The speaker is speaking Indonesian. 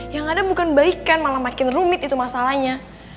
yang ada bukan baikan malah makin rumit itu masalahnya